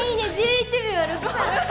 １１秒６３。